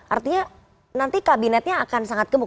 artinya nanti kabinetnya akan sangat gemuk